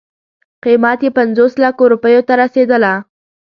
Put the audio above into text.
قیمت یې پنځوس لکو روپیو ته رسېدله.